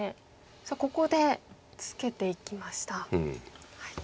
さあここでツケていきました。